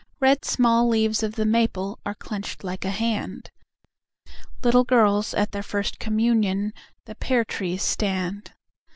Red small leaves of the maple Are clenched like a hand, Like girls at their first communion The pear trees stand.